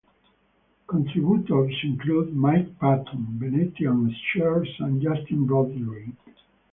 Contributors included Mike Patton, Venetian Snares and Justin Broadrick.